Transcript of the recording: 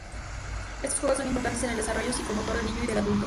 Estos juegos son importantes en el desarrollo psicomotor del niño y del adulto.